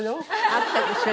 あったでしょ？